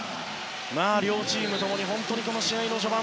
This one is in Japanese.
両チームともにこの試合の序盤